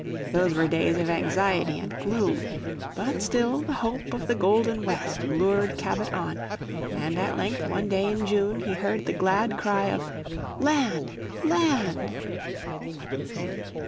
Those were days of anxiety and gloom. But still the hope of the golden west lured Cabot on, and at length one day in June he heard the glad cry of "Land! Land!"